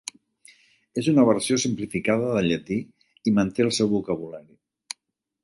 És una versió simplificada del llatí, i manté el seu vocabulari.